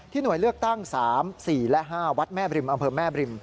หน่วยเลือกตั้ง๓๔และ๕วัดแม่บริมอำเภอแม่บริม